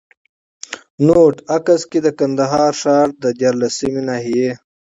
نوټ: عکس کي د کندهار ښار د ديارلسمي ناحيې